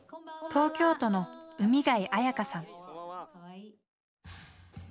東京都の海貝彩夏さん。